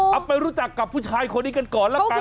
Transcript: ไปรู้จักกับผู้ชายคนนี้กันก่อนละกัน